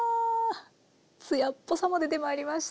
艶っぽさも出てまいりました。